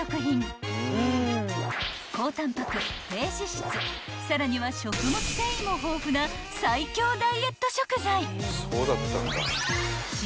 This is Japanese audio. ［高タンパク低脂質さらには食物繊維も豊富な最強ダイエット食材］